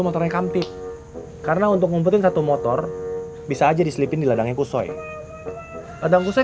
motornya kantip karena untuk ngumpetin satu motor bisa aja diselipin di ladangnya kusoi